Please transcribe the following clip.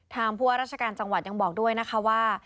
ผู้ว่าราชการจังหวัดยังบอกด้วยนะคะว่า